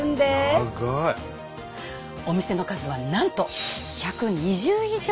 お店の数はなんと１２０以上！